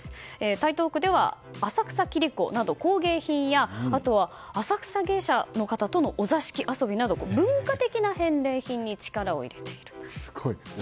台東区では浅草切子など工芸品やあとは、浅草芸者の方とのお座敷遊びなど文化的な返礼品に力を入れている。